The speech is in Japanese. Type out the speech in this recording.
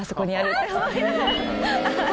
って思いながら。